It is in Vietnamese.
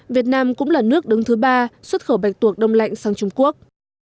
việt nam cũng là nước đứng thứ ba xuất khẩu bạch tuộc đông lạnh sang trung quốc